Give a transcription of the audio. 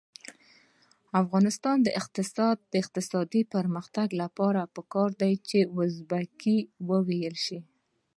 د افغانستان د اقتصادي پرمختګ لپاره پکار ده چې ازبکي وویل شي.